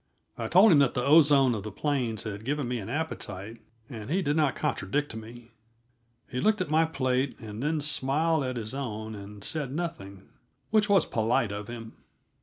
I told him that the ozone of the plains had given me an appetite, and he did not contradict me; he looked at my plate, and then smiled at his own, and said nothing which was polite of him.